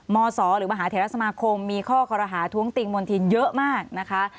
มศหรรษหรือพศสมคมมีข้อท้วงติงบนทินเยอะมากนะคะ